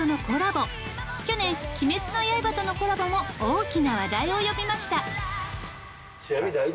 去年『鬼滅の刃』とのコラボも大きな話題を呼びました。